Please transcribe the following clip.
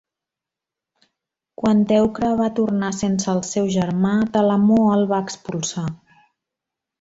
Quan Teucre va tornar sense el seu germà, Telamó el va expulsar.